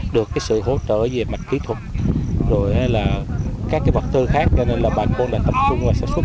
được sự hỗ trợ về mạch kỹ thuật các vật tư khác cho nên là bà con đã tập trung vào sản xuất